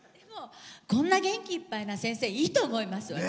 こんな元気いっぱいな先生いいと思います、私。